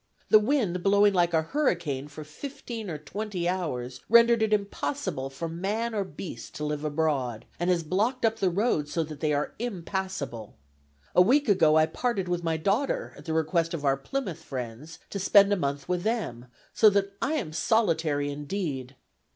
The wind, blowing like a hurricane for fifteen or twenty hours, rendered it impossible for man or beast to live abroad, and has blocked up the roads so that they are impassable. A week ago I parted with my daughter, at the request of our Plymouth friends, to spend a month with them; so that I am solitary indeed.